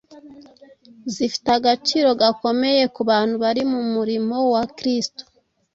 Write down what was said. zifite agaciro gakomeye ku bantu bari mu murimo wa Kristo.